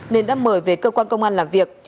nên đã mời về cơ quan công an làm việc